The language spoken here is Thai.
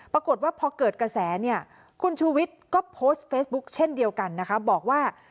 ปรากฏว่าพอเกิดกระแสเนี่ยคุณชูวิทย์ก็โพสต์เฟซบุ๊คเช่นเดียวกันนะคะบอกว่า